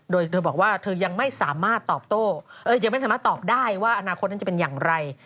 โดยเธอบอกว่าเธอยังไม่สามารถตอบโต้ยังไม่สามารถตอบได้ว่าอนาคตนั้นจะเป็นอย่างไร